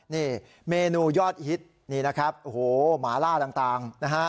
นี่เมนูยอดฮิตนี่นะครับหมาล่าต่าง